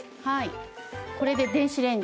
はい。